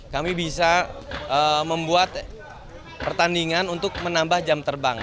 kami bisa membuat pertandingan untuk menambah jam terbang